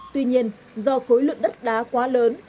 tuy nhiên do khối lượng đất đá quá lớn